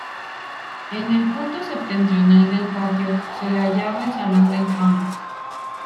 En el punto septentrional del patio se hallaba el Salón del Trono.